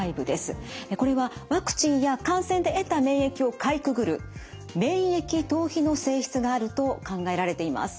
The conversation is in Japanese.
これはワクチンや感染で得た免疫をかいくぐる免疫逃避の性質があると考えられています。